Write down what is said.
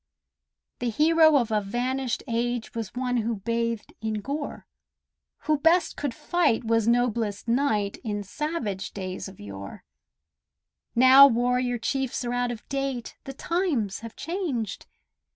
The hero of a vanished age Was one who bathed in gore; Who best could fight was noblest knight In savage days of yore; Now warrior chiefs are out of date, The times have changed.